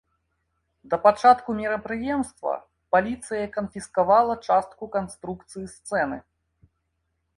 Да пачатку мерапрыемства паліцыя канфіскавала частку канструкцыі сцэны.